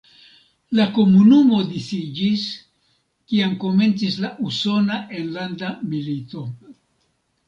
La komunumo disiĝis, kiam komencis la Usona Enlanda Milito.